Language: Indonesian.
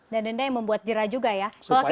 dan denda yang membuat jera juga ya